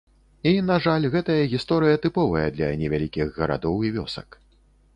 І, на жаль, гэтая гісторыя тыповая для невялікіх гарадоў і вёсак.